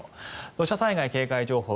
土砂災害警戒情報